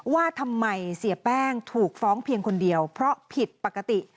ว่าทำไมเสียแป้งถูกฟ้องเพียงคนเดียวเพราะผิดปกติ